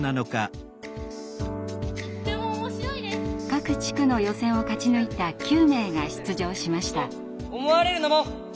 各地区の予選を勝ち抜いた９名が出場しました。